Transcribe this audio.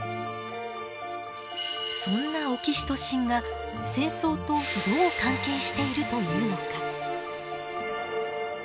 そんなオキシトシンが戦争とどう関係しているというのか。